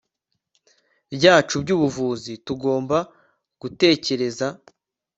byacu byubuvuzi tugomba gutekereza